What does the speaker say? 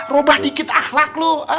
robah dikit ahlak lo